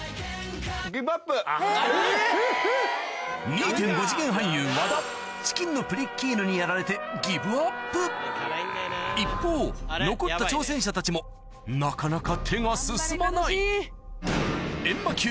２．５次元俳優和田チキンのプリッキーヌにやられて一方残った挑戦者たちもなかなか手が進まない焔魔級！